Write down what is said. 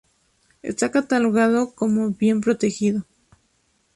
Está catalogado como Bien Protegido.